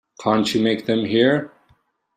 Can't you make them hear?